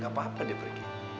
gak apa apa dia pergi